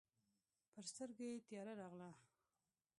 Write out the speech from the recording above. پر سترګو یې تياره راغله.